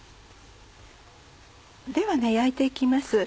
では焼いて行きます。